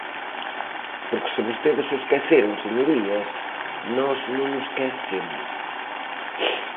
Porque se vostedes o esqueceron, señorías, nós non o esquecemos.